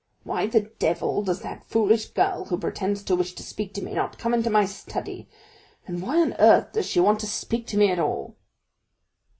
"Why the devil does that foolish girl, who pretends to wish to speak to me, not come into my study? and why on earth does she want to speak to me at all?"